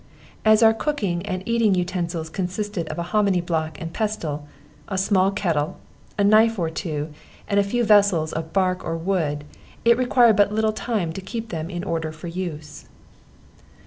As our cooking and eating utensils consisted of a hommany block and pestle, a small kettle, a knife or two, and a few vessels of bark or wood, it required but little time to keep them in order for use.